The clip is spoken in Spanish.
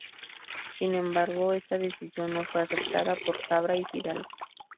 Sin embargo, esta decisión no fue aceptada por Cabra y Fidalgo.